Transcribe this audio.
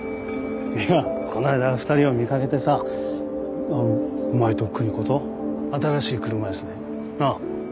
いやこの間２人を見かけてさお前と邦子と新しい車椅子でなあ